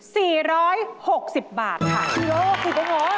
ที่๔๖๐บาทค่ะนี่เหรอหรือ